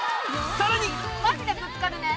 さらに！